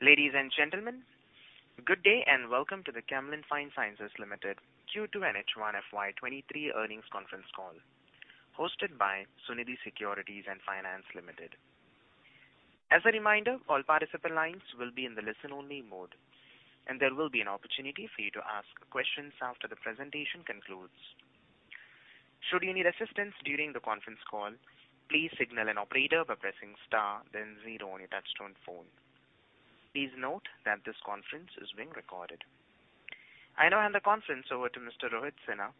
Ladies and gentlemen, good day and welcome to the Camlin Fine Sciences Limited Q2 and H1 FY 2023 earnings conference call hosted by Sunidhi Securities & Finance Limited. As a reminder, all participant lines will be in the listen only mode, and there will be an opportunity for you to ask questions after the presentation concludes. Should you need assistance during the conference call, please signal an operator by pressing star then zero on your touchtone phone. Please note that this conference is being recorded. I now hand the conference over to Mr. Rohit Sinha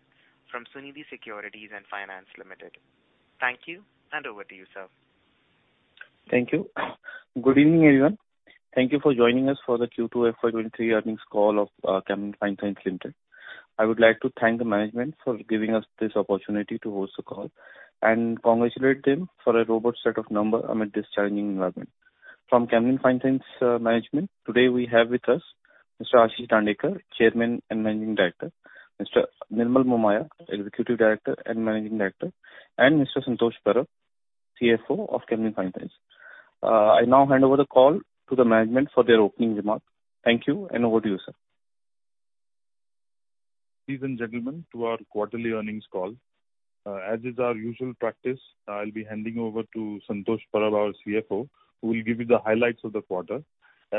from Sunidhi Securities & Finance Limited. Thank you, and over to you, sir. Thank you. Good evening, everyone. Thank you for joining us for the Q2 FY 2023 earnings call of Camlin Fine Sciences Limited. I would like to thank the management for giving us this opportunity to host the call and congratulate them for a robust set of number amid this challenging environment. From Camlin Fine Sciences management, today we have with us Mr. Ashish Dandekar, Chairman and Managing Director, Mr. Nirmal Momaya, Executive Director and Managing Director, and Mr. Santosh Parab, CFO of Camlin Fine Sciences. I now hand over the call to the management for their opening remarks. Thank you, and over to you, sir. Ladies and gentlemen to our quarterly earnings call. As is our usual practice, I'll be handing over to Santosh Parab, our CFO, who will give you the highlights of the quarter.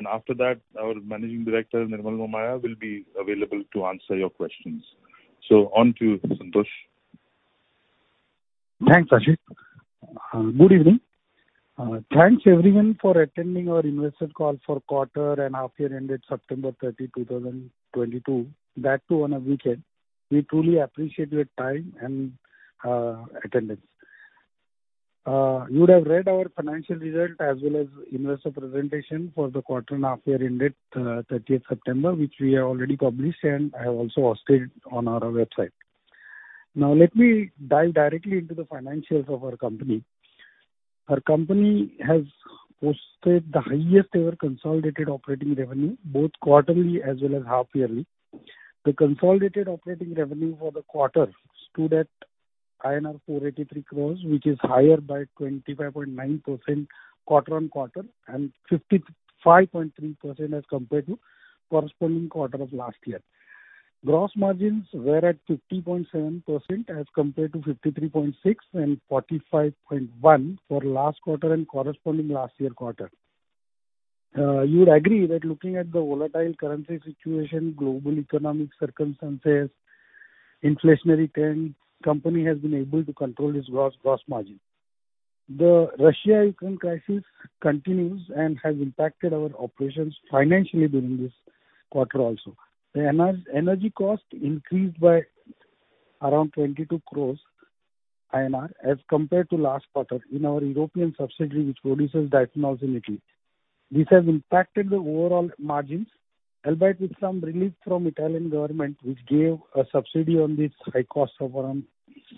After that, our Managing Director, Nirmal Momaya, will be available to answer your questions. On to Santosh. Thanks, Ashish. Good evening. Thanks, everyone, for attending our investor call for Quarter and Half Year ended September 30, 2022, that too on a weekend. We truly appreciate your time and attendance. You would have read our financial result as well as investor presentation for the quarter and half year ended 30th September, which we have already published, and I have also hosted on our website. Now let me dive directly into the financials of our company. Our company has posted the highest ever consolidated operating revenue, both quarterly as well as half yearly. The consolidated operating revenue for the quarter stood at INR 483 crores, which is higher by 25.9% quarter-on-quarter and 55.3% as compared to corresponding quarter of last year. Gross margins were at 50.7% as compared to 53.6% and 45.1% for last quarter and corresponding last year quarter. You would agree that looking at the volatile currency situation, global economic circumstances, inflationary trends, company has been able to control its gross margin. The Russia-Ukraine crisis continues and has impacted our operations financially during this quarter also. The energy cost increased by around 22 crore INR as compared to last quarter in our European subsidiary which produces dyes in Italy. This has impacted the overall margins, albeit with some relief from Italian government which gave a subsidy on this high cost of around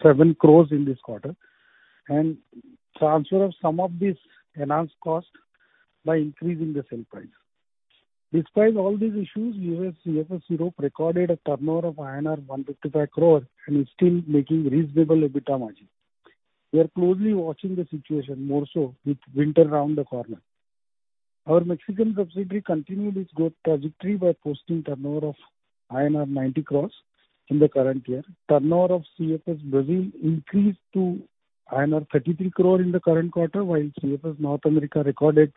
7 crore in this quarter, and transfer of some of this enhanced cost by increasing the sale price. Despite all these issues, CFS Europe recorded a turnover of INR 155 crore and is still making reasonable EBITDA margin. We are closely watching the situation more so with winter around the corner. Our Mexican subsidiary continued its growth trajectory by posting turnover of INR 90 crores in the current year. Turnover of CFS do Brasil increased to INR 33 crore in the current quarter, while CFS North America recorded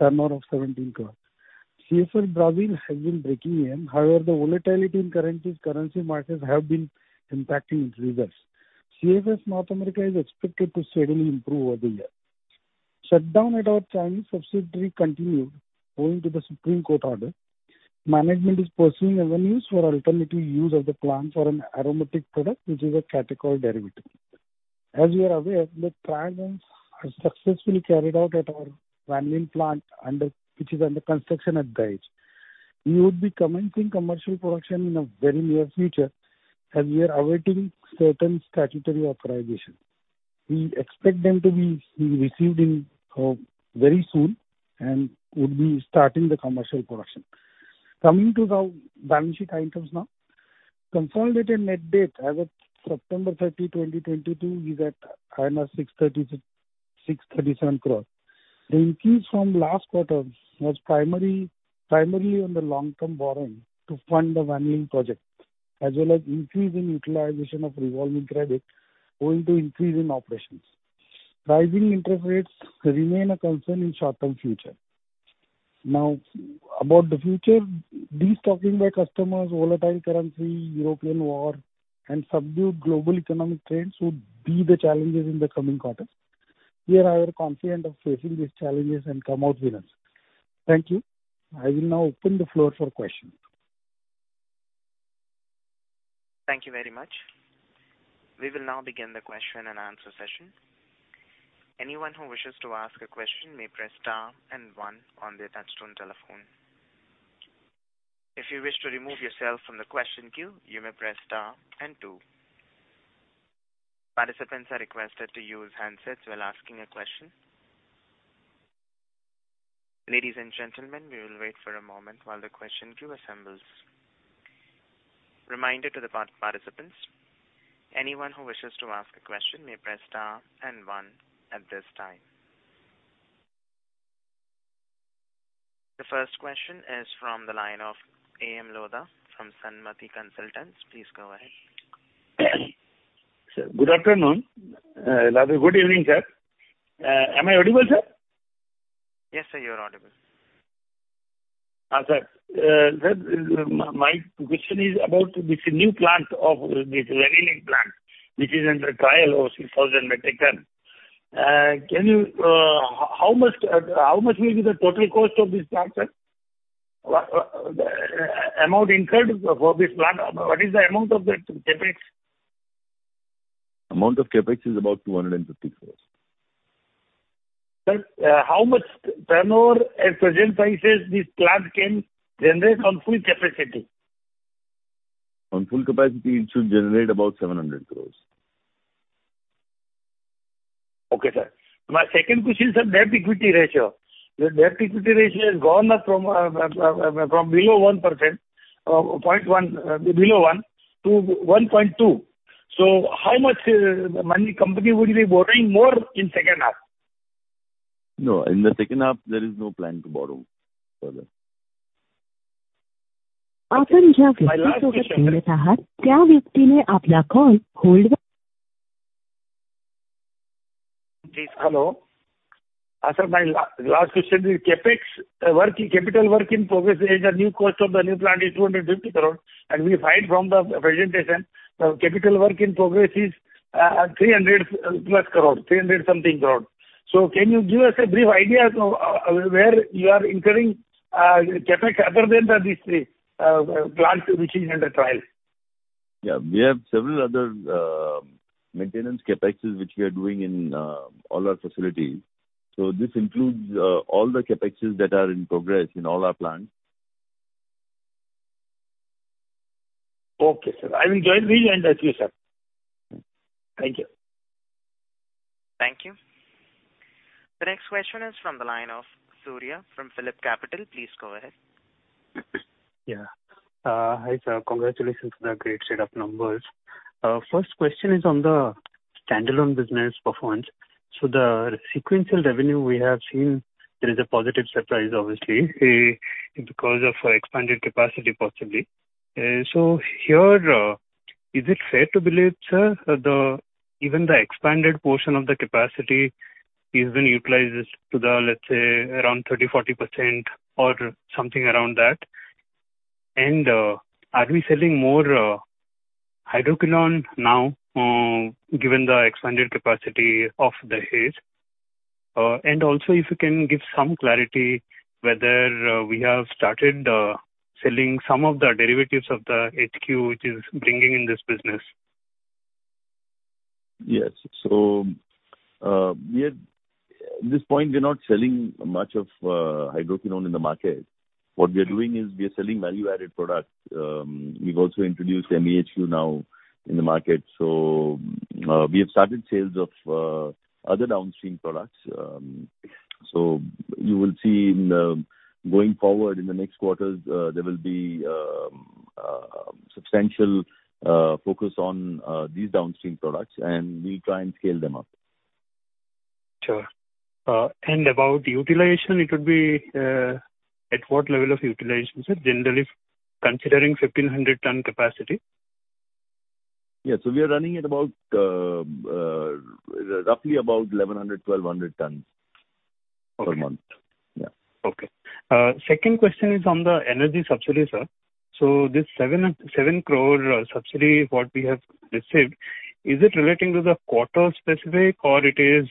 turnover of 17 crores. CFS do Brasil has been breaking even. However, the volatility in currencies, currency markets have been impacting its results. CFS North America is expected to steadily improve over the year. Shutdown at our Chinese subsidiary continued owing to the Supreme Court order. Management is pursuing avenues for alternative use of the plant for an aromatic product, which is a catechol derivative. As you are aware, the trials are successfully carried out at our vanillin plant, which is under construction at Dahej. We would be commencing commercial production in the very near future as we are awaiting certain statutory authorization. We expect them to be received very soon and would be starting the commercial production. Coming to the balance sheet items now. Consolidated net debt as of September 30, 2022 is at 637 crore. The increase from last quarter was primarily on the long-term borrowing to fund the vanillin project, as well as increase in utilization of revolving credit owing to increase in operations. Rising interest rates remain a concern in short-term future. Now, about the future. Destocking by customers, volatile currency, European war and subdued global economic trends would be the challenges in the coming quarters. Here I am confident of facing these challenges and come out winners. Thank you. I will now open the floor for questions. Thank you very much. We will now begin the question and answer session. Anyone who wishes to ask a question may press star and one on their touchtone telephone. If you wish to remove yourself from the question queue, you may press star and two. Participants are requested to use handsets while asking a question. Ladies and gentlemen, we will wait for a moment while the question queue assembles. Reminder to the participants. Anyone who wishes to ask a question may press star and one at this time. The first question is from the line of Abhay Mal Lodha from Sanmati Consultants, please go ahead. Sir, good evening, sir. Am I audible, sir? Yes, sir, you are audible. Sir, my question is about this new plant of this vanillin plant which is under trial of 6,000 metric ton. How much will be the total cost of this plant, sir? What amount incurred for this plant. What is the amount of the CapEx? Amount of CapEx is about 250 crores. Sir, how much turnover at present prices this plant can generate on full capacity? On full capacity, it should generate about 700 crore. Okay, sir. My second question, sir: debt to equity ratio. The debt to equity ratio has gone up from below 0.1 to 1.2. How much money the company would be borrowing more in second half? No, in the second half there is no plan to borrow further. Sir, my last question is capital work in progress is the new cost of the new plant is 250 crore, and we find from the presentation, capital work in progress is three hundred plus crore, three hundred something crore. Can you give us a brief idea of where you are incurring CapEx other than these three plants which is under trial? Yeah. We have several other maintenance CapExes which we are doing in all our facilities. This includes all the CapExes that are in progress in all our plants. Okay, sir. I will re-join the queue, sir. Mm-hmm. Thank you. Thank you. The next question is from the line of Surya from PhillipCapital. Please go ahead. Hi, sir. Congratulations on that great set of numbers. First question is on the standalone business performance. The sequential revenue we have seen there is a positive surprise, obviously, because of expanded capacity, possibly. Here, is it fair to believe, sir, that even the expanded portion of the capacity is being utilized to the, let's say, around 30%-40% or something around that? And, are we selling more hydroquinone now, given the expanded capacity of Dahej? And also if you can give some clarity whether we have started selling some of the derivatives of the HQ which is bringing in this business. Yes. At this point, we are not selling much of hydroquinone in the market. What we are doing is we are selling value-added products. We've also introduced MEHQ now in the market. We have started sales of other downstream products. You will see, going forward, in the next quarters, there will be substantial focus on these downstream products and we'll try and scale them up. Sure. About utilization, it would be at what level of utilization, sir? Generally considering 1,500 ton capacity. We are running at about, roughly, 1,100-1,200 tons per month. Okay. Yeah. Okay. Second question is on the energy subsidy, sir. This 7 crore subsidy what we have received, is it relating to the quarter specific or it is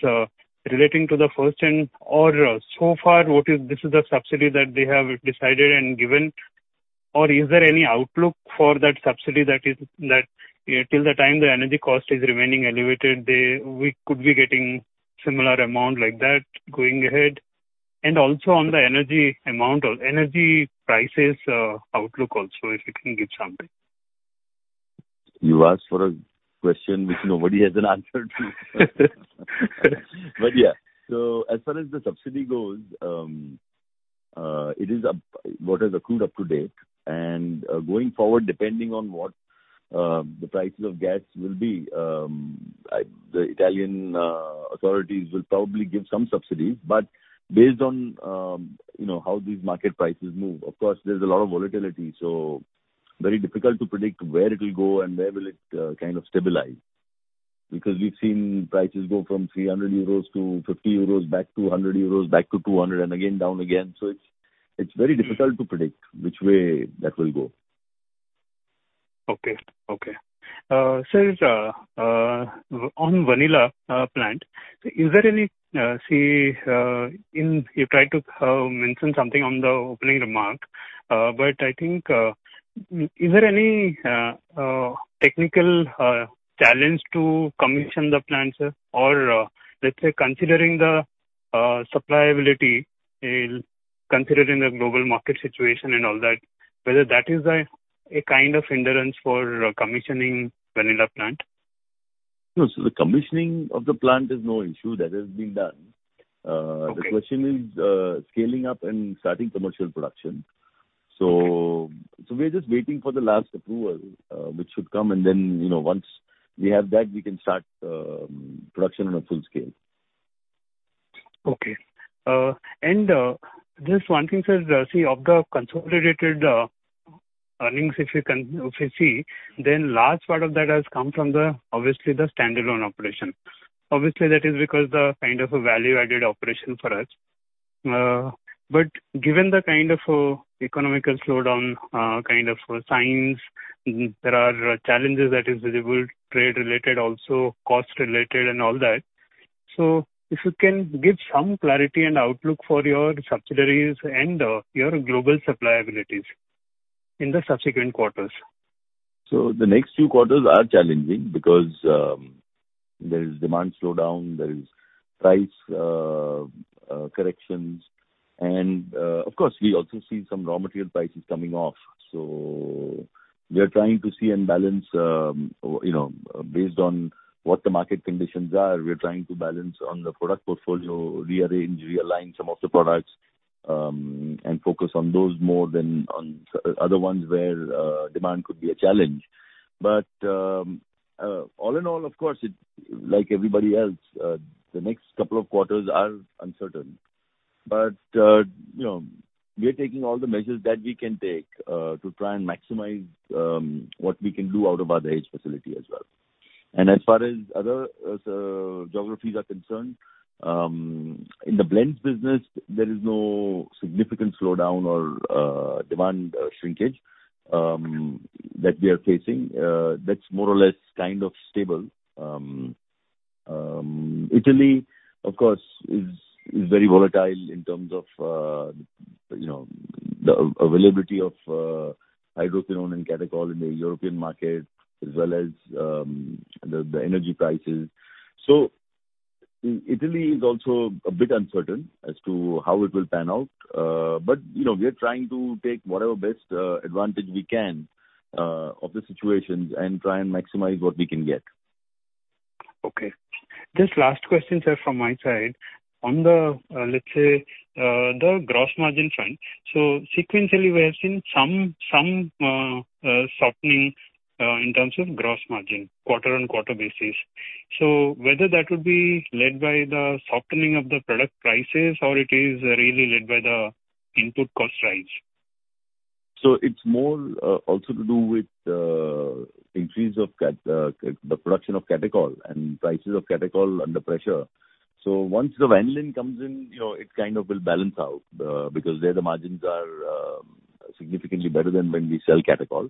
relating to the first ten or so far? What is the subsidy that they have decided and given? Or is there any outlook for that subsidy that is till the time the energy cost is remaining elevated, we could be getting similar amount like that going ahead. Also on the energy amount or energy prices outlook, if you can give something. You ask for a question which nobody has an answer to. Yeah. As far as the subsidy goes, it is up to what has accrued up to date. Going forward, depending on what the prices of gas will be, the Italian authorities will probably give some subsidies. Based on you know how these market prices move, of course there's a lot of volatility, so very difficult to predict where it will go and kind of stabilize. Because we've seen prices go from 300 euros to 50 euros back to 100 euros back to 200 and again down again. It's very difficult to predict which way that will go. Sir, on the vanilla plant, you tried to mention something on the opening remark, but I think is there any technical challenge to commission the plant, sir? Or, let's say considering the supply availability, considering the global market situation and all that, whether that is a kind of hindrance for commissioning vanilla plant? No, the commissioning of the plant is no issue. That has been done. Okay. The question is scaling up and starting commercial production. We're just waiting for the last approval, which should come, and then, you know, once we have that, we can start production on a full scale. Okay. Just one thing, sir. If we see the consolidated earnings, then large part of that has come from obviously the standalone operation. Obviously, that is because the kind of a value-added operation for us. But given the kind of economic slowdown kind of signs, there are challenges that is visible trade-related, also cost-related and all that. If you can give some clarity and outlook for your subsidiaries and your global supply capabilities in the subsequent quarters. The next two quarters are challenging because there is demand slowdown, there is price corrections, and of course, we also see some raw material prices coming off. We are trying to see and balance, you know, based on what the market conditions are. We are trying to balance on the product portfolio, rearrange, realign some of the products, and focus on those more than on other ones where demand could be a challenge. All in all, of course, like everybody else, the next couple of quarters are uncertain. You know, we are taking all the measures that we can take to try and maximize what we can do out of our Dahej facility as well. As far as other geographies are concerned, in the blends business, there is no significant slowdown or demand shrinkage that we are facing. That's more or less kind of stable. Italy, of course, is very volatile in terms of you know the availability of hydroquinone and catechol in the European market as well as the energy prices. Italy is also a bit uncertain as to how it will pan out. You know, we are trying to take whatever best advantage we can of the situation and try and maximize what we can get. Okay. Just last question, sir, from my side. On the, let's say, the gross margin front. Sequentially, we have seen some softening in terms of gross margin, quarter-on-quarter basis. Whether that would be led by the softening of the product prices or it is really led by the input cost rise? It's more, also to do with the increase of the production of catechol and prices of catechol under pressure. Once the vanillin comes in, you know, it kind of will balance out, because there the margins are significantly better than when we sell catechol.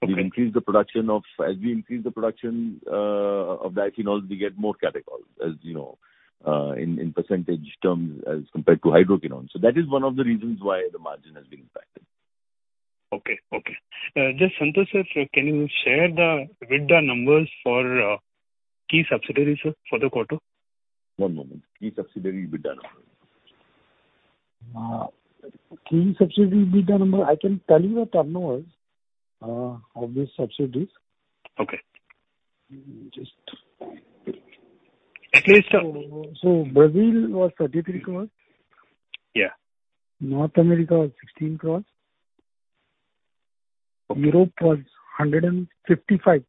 Okay. we increase the production of diphenol, we get more catechol, as you know, in percentage terms as compared to hydroquinone. That is one of the reasons why the margin has been impacted. Okay. Just Santosh sir, can you share the EBITDA numbers for key subsidiaries, sir, for the quarter? One moment. Key subsidiary EBITDA number. Key subsidiary EBITDA number. I can tell you the turnovers of these subsidiaries, so Brazil was 33 crore. North America was 16 crores. Europe was 155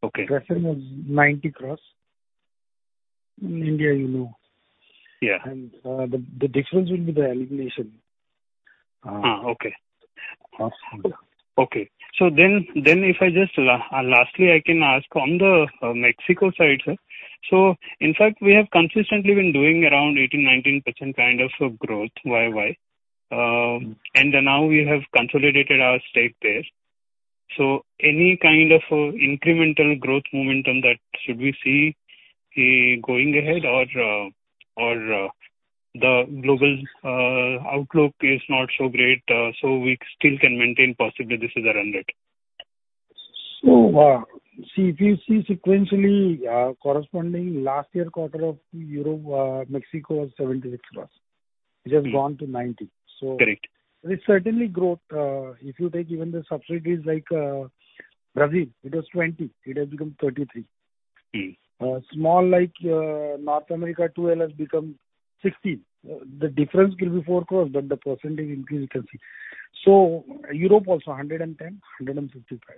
crore. Mexico was 90 crores. India, you know. Yeah. The difference will be the elimination. Okay. If I just lastly I can ask on the Mexico side, sir. In fact, we have consistently been doing around 18%-19% kind of growth year-over-year. Now we have consolidated our stake there. Any kind of incremental growth momentum that should we see going ahead or the global outlook is not so great, we still can maintain possibly this is a run rate? See if you see sequentially, corresponding last year quarter of Europe, Mexico was 76 crores. It has gone to 90 crores. Correct. There's certainly growth. If you take even the subsidiaries like Brazil, it was 20, it has become 33. Mm. Small like, North America, 12 has become 16. The difference will be 4 crore, but the percentage increase you can see. Europe also 110, 155.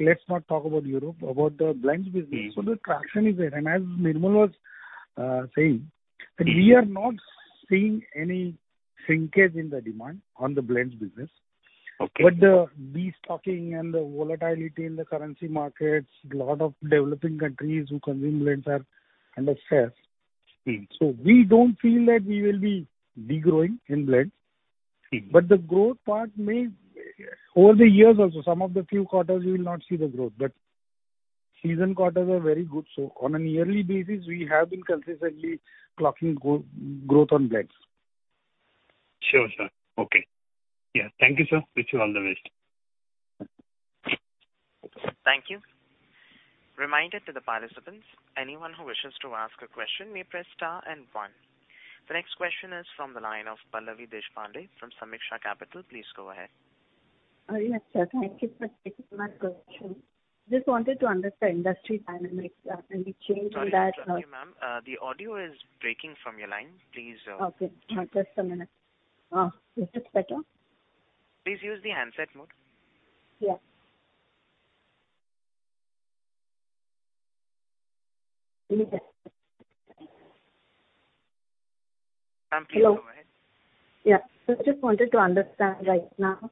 Let's not talk about Europe, about the blends business. Mm. The traction is there. As Nirmal was saying. We are not seeing any shrinkage in the demand in the blends business. Okay. destocking and the volatility in the currency markets, lot of developing countries who consume blends are under stress. Mm. We don't feel that we will be degrowing in Blends. Mm. The growth part may over the years also some of the few quarters we will not see the growth, but seasonal quarters are very good. On a yearly basis we have been consistently clocking growth on blends. Sure, sir. Okay. Yeah. Thank you, sir. Wish you all the best. Thank you. Reminder to the participants. Anyone who wishes to ask a question may press star and one. The next question is from the line of Pallavi Deshpande from Sameeksha Capital. Please go ahead. Oh, yes, sir. Thank you for taking my question. Just wanted to understand industry dynamics, and the change in that. Sorry to interrupt you, ma'am. The audio is breaking from your line. Please, Okay. Just a minute. Is this better? Please use the handset mode. Yeah. Better. Ma'am, please go ahead. Hello. Yeah. Just wanted to understand right now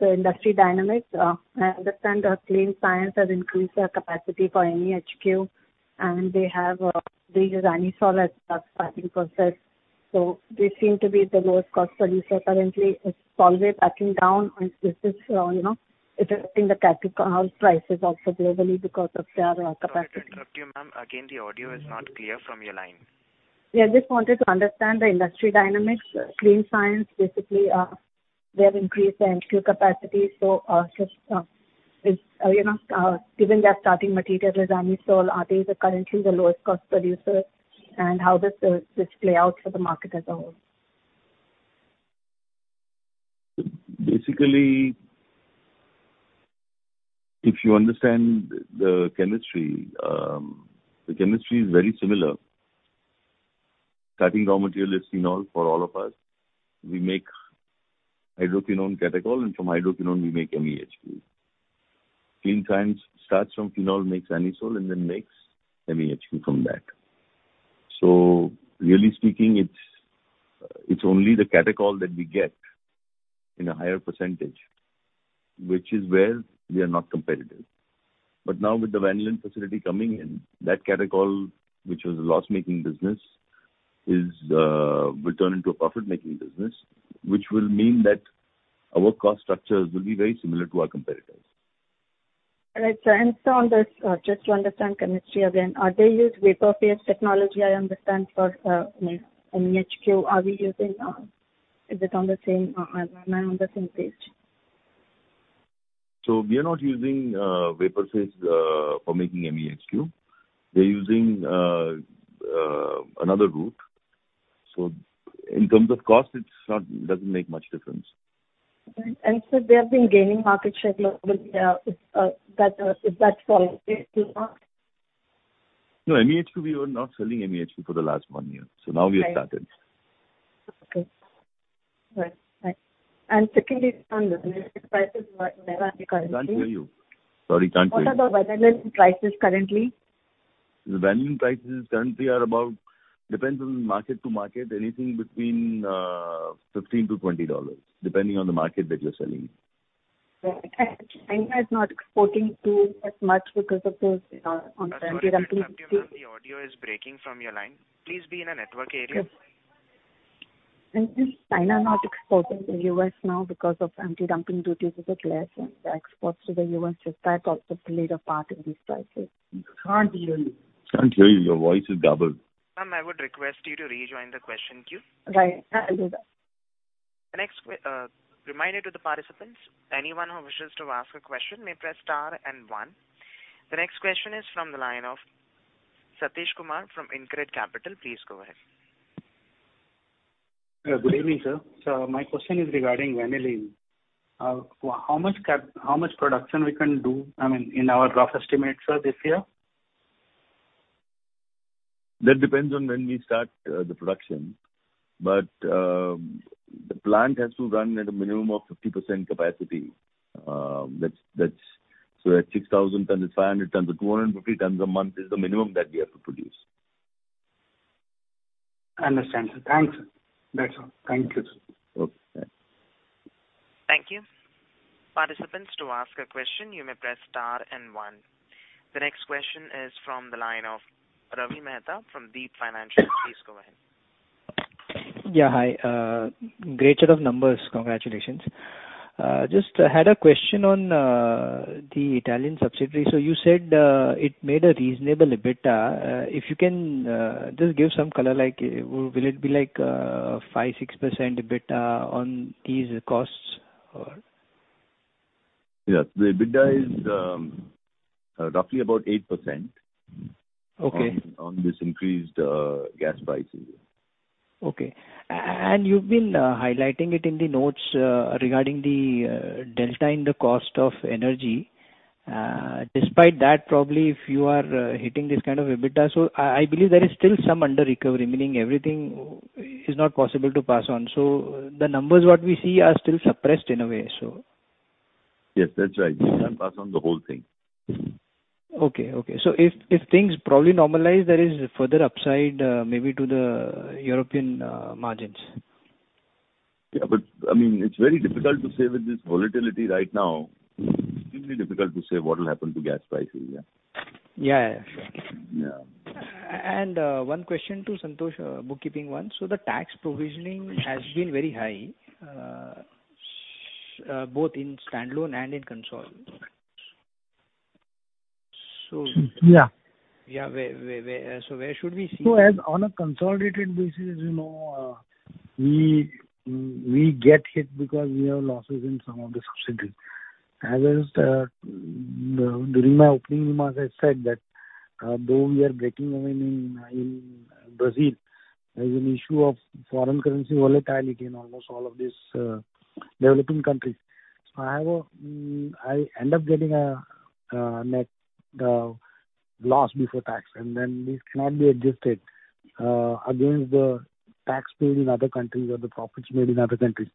the industry dynamics. I understand that Clean Science and Technology has increased their capacity for MEHQ, and they have the anisole as starting process. They seem to be the lowest cost producer currently. Is Solvay backing down? Is this you know affecting the catechol prices also globally because of their capacity? Sorry to interrupt you, ma'am. Again, the audio is not clear from your line. Yeah, just wanted to understand the industry dynamics. Clean Science and Technology, basically, they have increased their MEHQ capacity. Just, is, you know, given their starting material is anisole, are they currently the lowest cost producer? How does this play out for the market as a whole? Basically, if you understand the chemistry, the chemistry is very similar. Cutting raw material listing all for all of us. We make hydroquinone, catechol, and from hydroquinone we make MEHQ. Clean Science starts from phenol, makes anisole, and then makes MEHQ from that. Really speaking, it's only the catechol that we get in a higher percentage, which is where we are not competitive. Now with the vanillin facility coming in, that catechol, which was a loss-making business, is, will turn into a profit-making business, which will mean that our cost structures will be very similar to our competitors. All right, sir. On this, just to understand chemistry again, do they use vapor phase technology, I understand, for MEHQ? Am I on the same page? We are not using vapor phase for making MEHQ. We're using another route. In terms of cost, it doesn't make much difference. Sir, they have been gaining market share globally. Is that falling phase still now? No, MEHQ, we were not selling MEHQ for the last one year. Right. Now we have started. Okay. Right. Right. Secondly, on vanillin, prices, where are they currently? Can't hear you. Sorry, can't hear you. What are the vanillin prices currently? The vanillin prices currently are about, depends on market to market. Anything between $15-$20, depending on the market that you're selling. Right. China is not exporting to us as much because of those on the anti-dumping. Sorry to interrupt you, ma'am. The audio is breaking from your line. Please be in a network area. Yes. Is China not exporting to the U.S. now because of anti-dumping duties? Is it less? The exports to the U.S. just might possibly play a part in these prices. Can't hear you. Your voice is doubled. Ma'am, I would request you to rejoin the question queue. Right. I'll do that. Reminder to the participants. Anyone who wishes to ask a question may press star and one. The next question is from the line of Satish Kumar from Incredible Capital. Please go ahead. Good evening, sir. My question is regarding vanillin. How much production we can do, I mean, in our rough estimate, sir, this year? That depends on when we start the production. The plant has to run at a minimum of 50% capacity. That's. At 6,000 tons, it's 500 tons. Two hundred and fifty tons a month is the minimum that we have to produce. Understand, sir. Thanks. That's all. Thank you, sir. Okay. Thanks. Thank you. Participants, to ask a question you may press star and one. The next question is from the line of Ravi Mehta from Deep Financial. Please go ahead. Yeah. Hi. Great set of numbers. Congratulations. Just had a question on the Italian subsidiary. You said it made a reasonable EBITDA. If you can just give some color, like, will it be like 5%-6% EBITDA on these costs or? Yeah. The EBITDA is roughly about 8%. Okay on this increased gas prices. Okay. You've been highlighting it in the notes regarding the delta in the cost of energy. Despite that, probably if you are hitting this kind of EBITDA. I believe there is still some under-recovery, meaning everything is not possible to pass on. The numbers what we see are still suppressed in a way. Yes, that's right. We can't pass on the whole thing. Okay. If things probably normalize, there is further upside, maybe to the European margins. Yeah, I mean, it's very difficult to say with this volatility right now. Extremely difficult to say what will happen to gas prices. Yeah. Yeah, yeah. Yeah. One question to Santosh, bookkeeping one. The tax provisioning has been very high, both in standalone and in consolidated. Yeah. Yeah. Where should we see? As on a consolidated basis, you know. We get hit because we have losses in some of the subsidiaries. As I during my opening remarks, I said that though we are breaking even in Brazil, there's an issue of foreign currency volatility in almost all of these developing countries. I end up getting a net loss before tax, and then this cannot be adjusted against the tax paid in other countries or the profits made in other countries.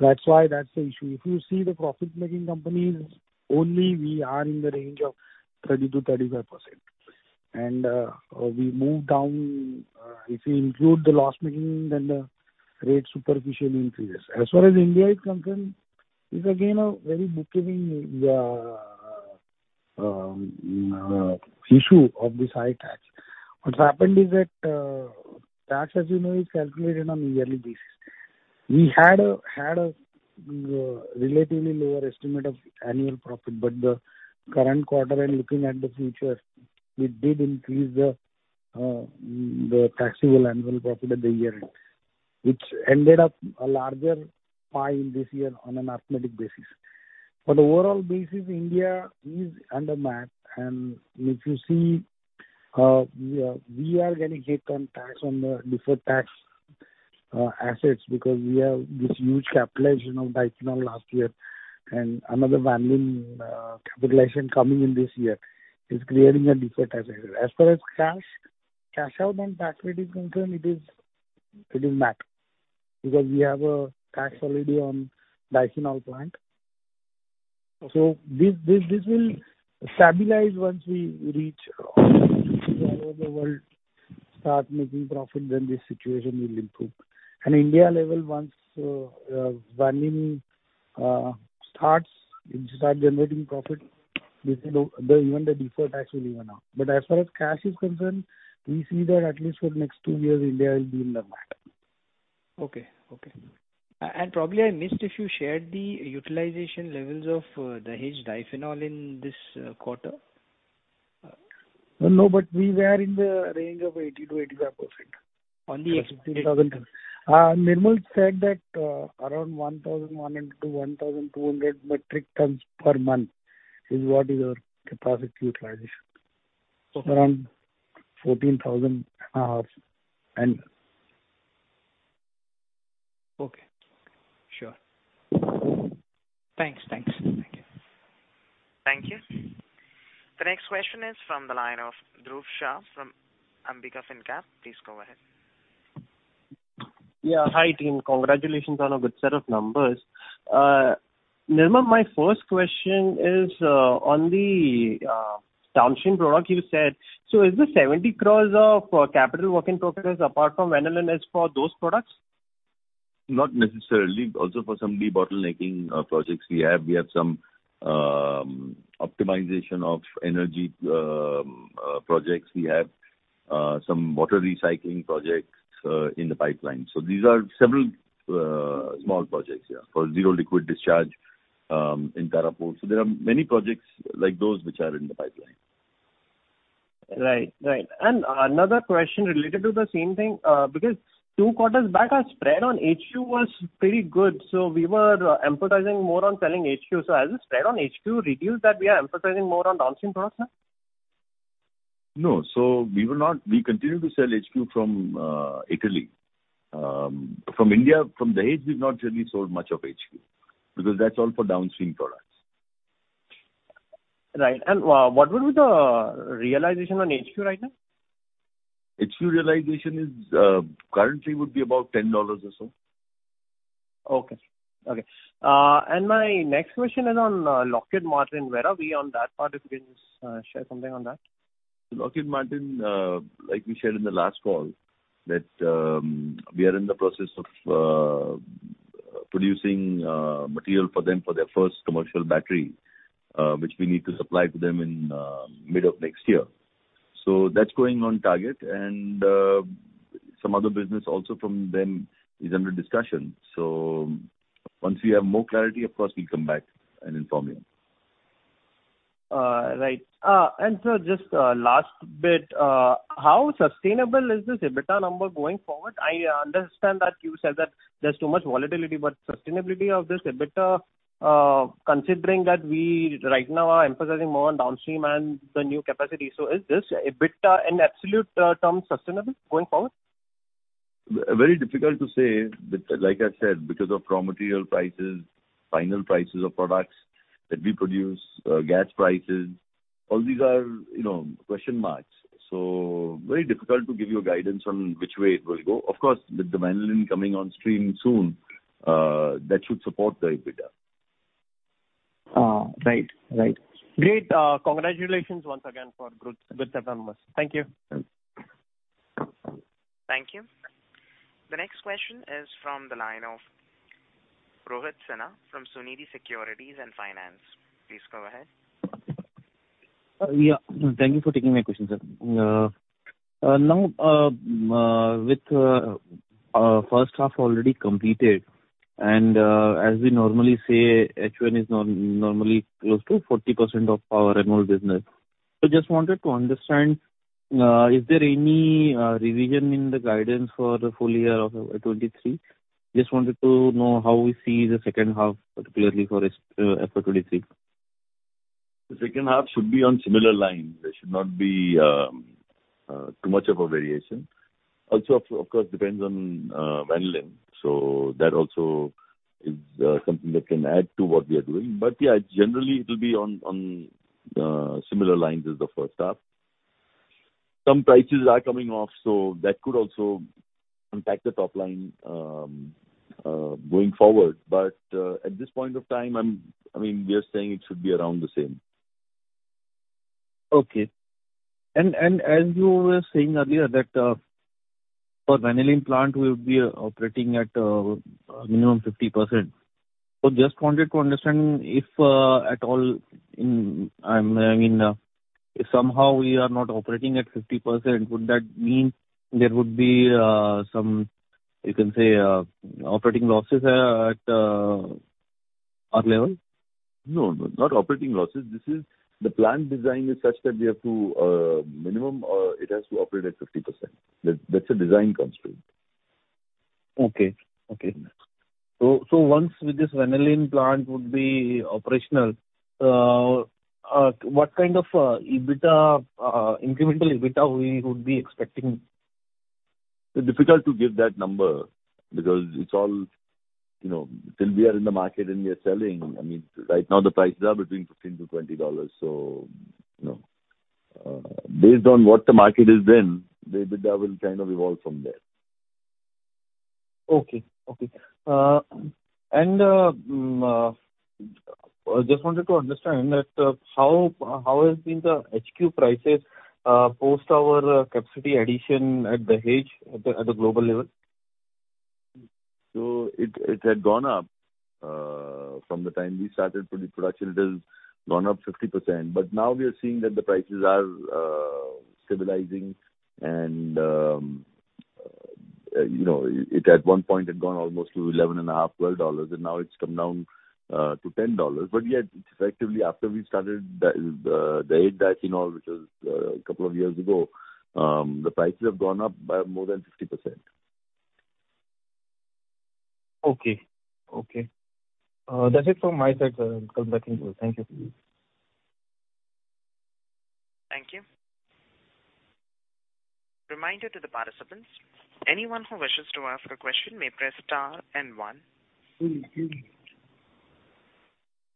That's why that's the issue. If you see the profit-making companies only, we are in the range of 30%-35%. We move down if you include the loss-making, then the rate effectively increases. As far as India is concerned, it's again a very bookkeeping issue of this high tax. What's happened is that, tax, as you know, is calculated on a yearly basis. We had a relatively lower estimate of annual profit. The current quarter and looking at the future, we did increase the taxable annual profit at the year-end, which ended up a larger pie this year on a mathematical basis. On the overall basis, India is under MAT. If you see, we are getting hit on tax on the deferred tax assets because we have this huge capitalization of diphenol last year and another vanillin capitalization coming in this year is creating a deferred tax asset. As far as cash out on tax rate is concerned, it is MAT because we have cash already on diphenol plant. This will stabilize once we reach all over the world, start making profit, then this situation will improve. India level once vanillin starts generating profit, then even the deferred tax will even out. As far as cash is concerned, we see that at least for the next two years India will be in the MAT. Okay. Probably I missed if you shared the utilization levels of the Dahej diphenol in this quarter? No, we were in the range of 80%-85%. On the- Nirmal said that around 1,100-1,200 metric tons per month is what is our capacity utilization. Okay. Around 14,000 hours annual. Okay. Sure. Thanks. Thank you. Thank you. The next question is from the line of Dhruv Shah from Ambika Fincap. Please go ahead. Yeah, hi team. Congratulations on a good set of numbers. Nirmal, my first question is on the downstream product you said. Is the 70 crore of capital work in progress apart from vanillin for those products? Not necessarily. Also for some debottlenecking projects we have. We have some optimization of energy projects. We have some water recycling projects in the pipeline. These are several small projects, yeah, for zero liquid discharge in Tarapur. There are many projects like those which are in the pipeline. Right. Another question related to the same thing. Because two quarters back our spread on HQ was pretty good, so we were emphasizing more on selling HQ. Has the spread on HQ reduced that we are emphasizing more on downstream products now? No. We continue to sell HQ from Italy. From India, from Dahej we've not really sold much of HQ because that's all for downstream products. Right. What will be the realization on HQ right now? HQ realization is currently about $10 or so. Okay. My next question is on Lockheed Martin. Where are we on that part? If you can just share something on that. Lockheed Martin, like we shared in the last call that we are in the process of producing material for them for their first commercial battery, which we need to supply to them in mid of next year. That's going on target and some other business also from them is under discussion. Once we have more clarity, of course we'll come back and inform you. Sir, just last bit. How sustainable is this EBITDA number going forward? I understand that you said that there's too much volatility, but sustainability of this EBITDA considering that we right now are emphasizing more on downstream and the new capacity. Is this EBITDA in absolute term sustainable going forward? Very difficult to say. Like I said, because of raw material prices, final prices of products that we produce, gas prices, all these are, you know, question marks. Very difficult to give you a guidance on which way it will go. Of course, with the vanillin coming on stream soon, that should support the EBITDA. Right. Great. Congratulations once again for good set of numbers. Thank you. Thanks. Thank you. The next question is from the line of Rohit Sinha from Sunidhi Securities & Finance. Please go ahead. Yeah. Thank you for taking my question, sir. Now, with first half already completed and, as we normally say, H1 is normally close to 40% of our annual business. Just wanted to understand, is there any revision in the guidance for the full year of 2023? Just wanted to know how we see the second half, particularly for 2023. The second half should be on similar lines. There should not be too much of a variation. Also, of course depends on vanillin. That also is something that can add to what we are doing. Yeah, generally it'll be on similar lines as the first half. Some prices are coming off, so that could also impact the top line going forward. At this point of time, I mean, we are saying it should be around the same. Okay, as you were saying earlier that for vanillin plant will be operating at a minimum 50%. Just wanted to understand if at all, I mean, if somehow we are not operating at 50%, would that mean there would be some, you can say, operating losses at our level? No, no, not operating losses. This is, the plant design is such that we have to minimum, it has to operate at 50%. That, that's a design constraint. Once with this vanillin plant would be operational, what kind of incremental EBITDA we would be expecting? Difficult to give that number because it's all, you know, till we are in the market and we are selling, I mean, right now the prices are between $15-$20. You know, based on what the market is then, the EBITDA will kind of evolve from there. Okay. Just wanted to understand that, how has been the HQ prices post our capacity addition at Dahej at the global level? It had gone up from the time we started pre-production. It has gone up 50%. Now we are seeing that the prices are stabilizing and it at one point had gone almost to $11.5-$12, and now it's come down to $10. Yeah, effectively after we started the Dahej diphenol, which was a couple of years ago, the prices have gone up by more than 50%. Okay. Okay. That's it from my side, Kalpataru. Thank you. Thank you. Reminder to the participants, anyone who wishes to ask a question may press star and one. Mm-hmm.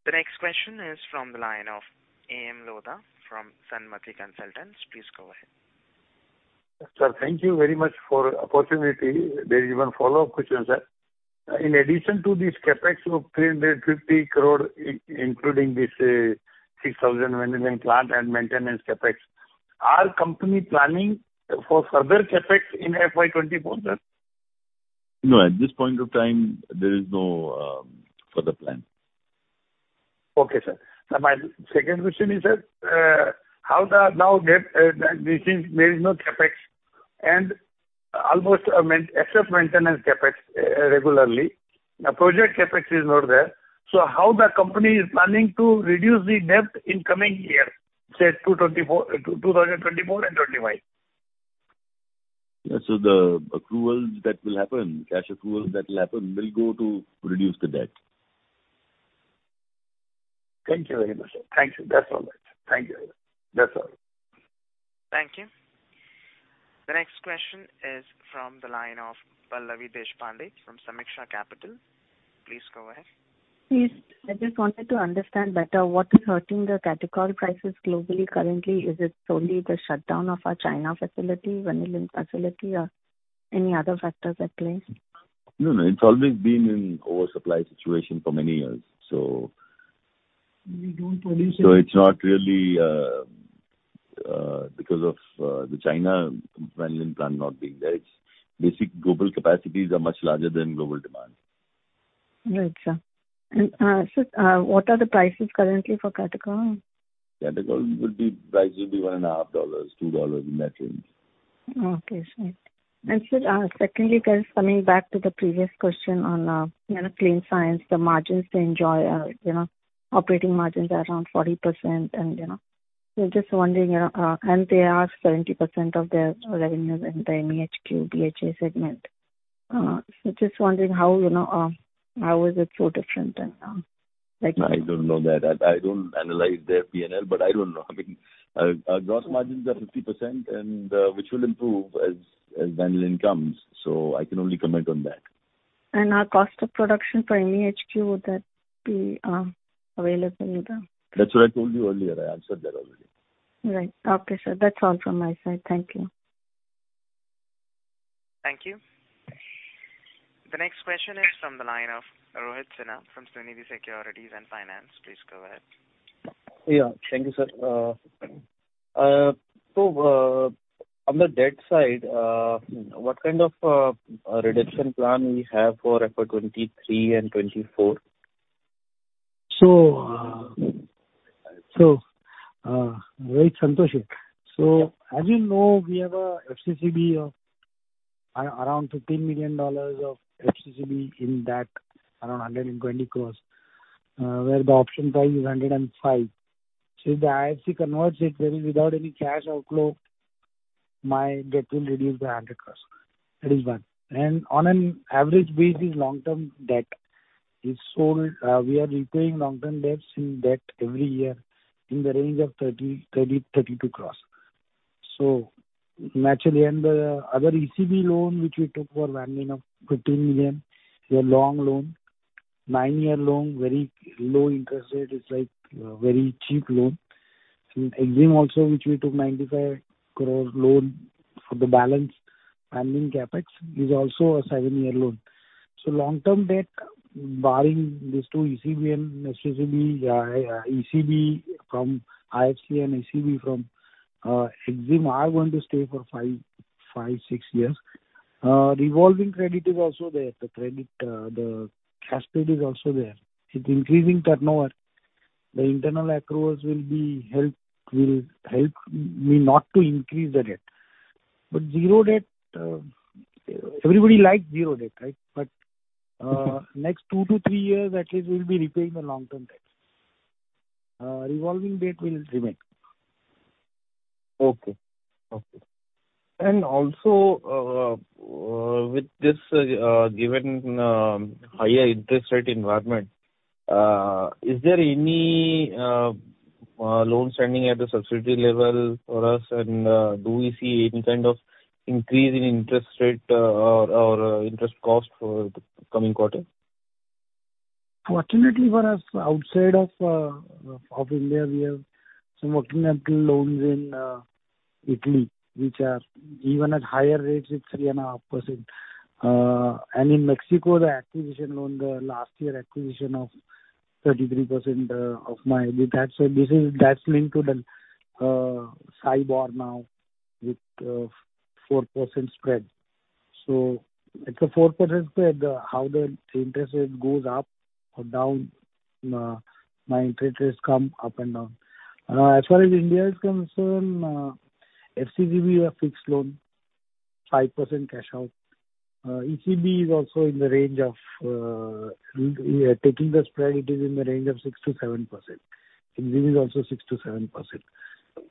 The next question is from the line of AM Lodha from Sanmati Consultants. Please go ahead. Sir, thank you very much for opportunity. There is even follow-up question, sir. In addition to this CapEx of 350 crore including this, 6,000 vanillin plant and maintenance CapEx, are company planning for further CapEx in FY 2024, sir? No, at this point of time there is no further plan. Okay, sir. Now my second question is, sir, how the net debt, the, this, there is no CapEx except maintenance CapEx regularly. Project CapEx is not there. How the company is planning to reduce the debt in coming year, say 2024 and 2025? The accruals that will happen, cash accruals that will happen will go to reduce the debt. Thank you very much, sir. Thank you. That's all then. Thank you. That's all. Thank you. The next question is from the line of Pallavi Deshpande from Sameeksha Capital. Please go ahead. Yes. I just wanted to understand better what is hurting the catechol prices globally currently. Is it only the shutdown of our China facility, vanillin facility, or any other factors at play? No, no. It's always been in oversupply situation for many years. We don't produce any. It's not really because of the China vanillin plant not being there. It's because global capacities are much larger than global demand. Right, sir. Sir, what are the prices currently for catechol? catechol price will be $1.5-$2, in that range. Okay, sir. Sir, secondly, just coming back to the previous question on, you know, Clean Science, the margins they enjoy are, you know, operating margins are around 40% and you know. Just wondering, and they are 70% of their revenues in the MEHQ, HQ segment. Just wondering how, you know, how is it so different and, like. I don't know that. I don't analyze their P&L, but I don't know. I mean, our gross margins are 50% and which will improve as vanillin comes, so I can only comment on that. Our cost of production for MEHQ, would that be available? That's what I told you earlier. I answered that already. Right. Okay, sir. That's all from my side. Thank you. Thank you. The next question is from the line of Rohit Sinha from Sunidhi Securities & Finance. Please go ahead. Yeah. Thank you, sir. On the debt side, what kind of reduction plan we have for FY 2023 and 2024? Rohit, Santosh here. As you know, we have a FCCB of Around $15 million of FCCB in that around 120 crores, where the option price is 105. If the IFC converts it, then without any cash outflow, my debt will reduce by 100 crores. That is one. On an average basis, long-term debt is old. We are repaying long-term debt every year in the range of 30-32 crores. Naturally. The other ECB loan, which we took for vanillin of $15 million, is a long loan. Nine-year loan, very low interest rate. It's like very cheap loan. In Exim also, which we took 95 crore loan for the balance vanillin CapEx is also a seven-year loan. Long-term debt, barring these two, ECB and FCCB, ECB from IFC and ECB from Exim, are going to stay for 5-6 years. Revolving credit is also there. The credit, the cash credit is also there. With increasing turnover, the internal accruals will help me not to increase the debt. Zero debt, everybody likes zero debt, right? Next 2-3 years at least we'll be repaying the long-term debts. Revolving debt will remain. Okay. Also, with this given higher interest rate environment, is there any loan standing at the subsidiary level for us? Do we see any kind of increase in interest rate or interest cost for the coming quarter? Fortunately for us, outside of India, we have some working capital loans in Italy, which are even at higher rates, it's 3.5%. In Mexico, the acquisition loan, the last year acquisition of 33%... That's a business that's linked to the SOFR now with 4% spread. It's a 4% spread. How the interest rate goes up or down, my interest rates come up and down. As far as India is concerned, FCCB we have fixed loan, 5% coupon. ECB is also in the range of, taking the spread, it is in the range of 6%-7%. Exim is also 6%-7%.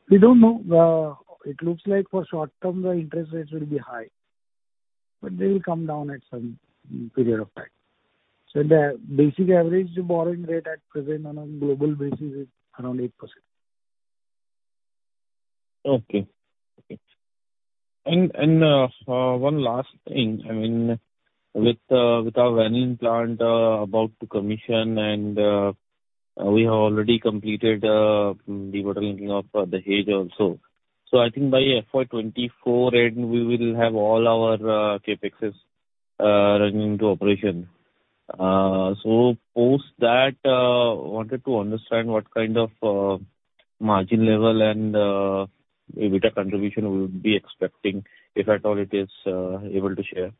We don't know. It looks like for short term, the interest rates will be high, but they will come down at some period of time. The basic average borrowing rate at present on a global basis is around 8%. One last thing, I mean, with our vanillin plant about to commission and we have already completed the boiler cleaning of Dahej also. I think by FY 2024 end we will have all our CapExes running into operation. Post that, wanted to understand what kind of margin level and EBITDA contribution we would be expecting, if at all it is able to share.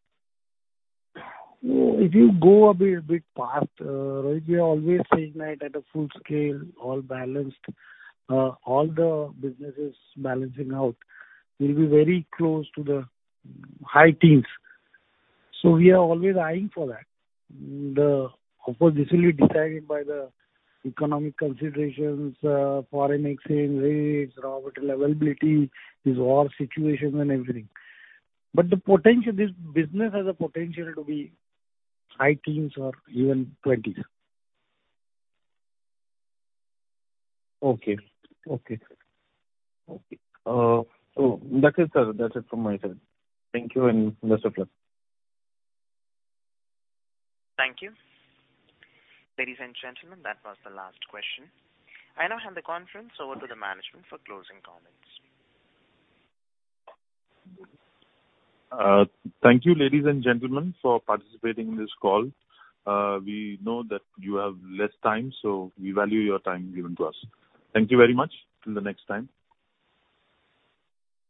If you go a bit past Rohit, we are always saying that at a full scale, all balanced, all the businesses balancing out, we'll be very close to the high teens. We are always eyeing for that. Of course, this will be decided by the economic considerations, foreign exchange rates, raw material availability, this war situation and everything. The potential, this business has a potential to be high teens or even 20s. Okay. That is, that's it from my side. Thank you and best of luck. Thank you. Ladies and gentlemen, that was the last question. I now hand the conference over to the management for closing comments. Thank you, ladies and gentlemen, for participating in this call. We know that you have less time, so we value your time given to us. Thank you very much. Till the next time.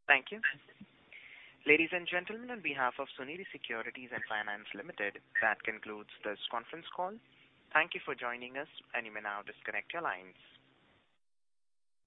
Thank you. Ladies and gentlemen, on behalf of Sunidhi Securities & Finance Limited, that concludes this conference call. Thank you for joining us and you may now disconnect your lines.